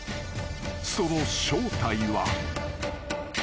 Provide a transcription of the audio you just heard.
［その正体は］